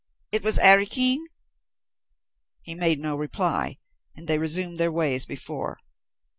"It was 'Arry King?" He made no reply, and they resumed their way as before.